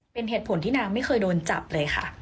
เป็นเหตุผลที่นางไม่เคยโดนจับเลยค่ะ